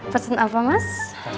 pesan apa mas